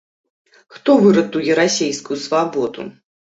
Хто выратуе расейскую свабоду?